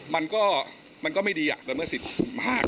มันก็มันก็ไม่ดีอ่ะแต่เมื่อสิทธิมาก